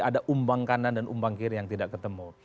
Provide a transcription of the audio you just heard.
ada umbang kanan dan umbang kiri yang tidak ketemu